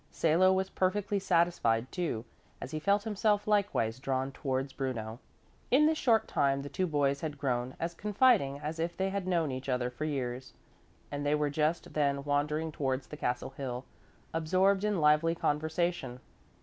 Salo was perfectly satisfied, too, as he felt himself likewise drawn towards Bruno. In this short time the two boys had grown as confiding as if they had known each other for years and they were just then wandering towards the castle hill, absorbed in lively conversation.